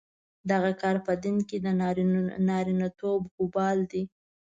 دغه کار په دین کې د نارینتوب وبال دی.